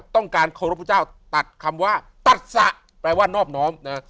ต้องการเคารพพระเจ้าตัดคำว่าตัดสะแปลว่านอบน้อมนะ